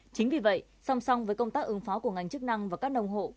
chính vì vậy song song với công tác ứng phó của ngành chức năng và các nông hộ